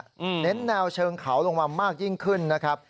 เน้นแนวเชิงเขาลงมามากยิ่งขึ้นนะครับ